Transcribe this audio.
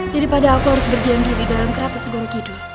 daripada aku harus berdiam diri dalam kerata segaru gido